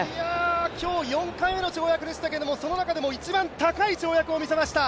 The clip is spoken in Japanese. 今日４回目の跳躍でしたけれども、その中でも一番高い跳躍を見せました。